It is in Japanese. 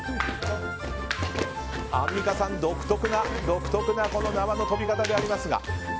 アンミカさん、独特な縄の跳び方でありますが。